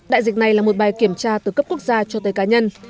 đại dịch này là một bài kiểm tra từ cấp quốc gia cho tới cá nhân